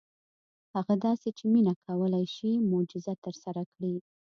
هغه داسې چې مينه کولی شي معجزه ترسره کړي.